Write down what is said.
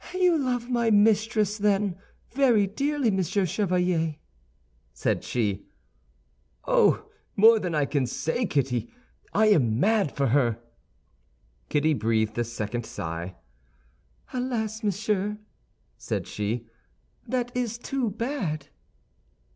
"You love my mistress, then, very dearly, Monsieur Chevalier?" said she. "Oh, more than I can say, Kitty! I am mad for her!" Kitty breathed a second sigh. "Alas, monsieur," said she, "that is too bad."